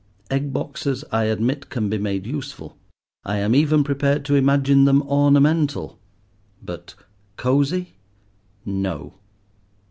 Egg boxes I admit can be made useful; I am even prepared to imagine them ornamental; but "cosy," no.